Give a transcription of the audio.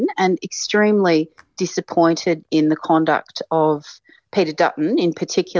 dan sangat disarankan dengan perbuatan peter dutton yang terutama